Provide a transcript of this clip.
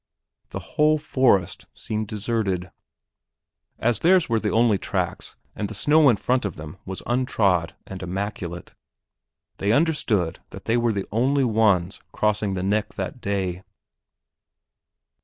The whole forest seemed deserted. As theirs were the only tracks and the snow in front of them was untrod and immaculate they understood that they were the only ones crossing the "neck" that day.